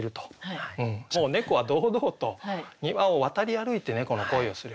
もう猫は堂々と庭を渡り歩いて猫の恋をする。